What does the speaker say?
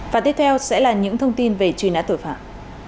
và tiếp theo sẽ là những thông tin về truy nã tội phạm